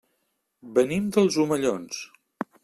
Venim dels Omellons.